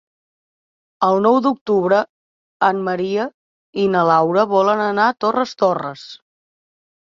El nou d'octubre en Maria i na Laura volen anar a Torres Torres.